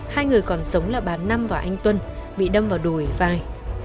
hai người còn sống là bà năm và anh tuân bị đâm vào đùi vai